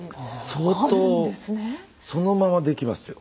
相当そのままできますよ。